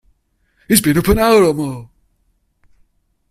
He's been up an hour or more.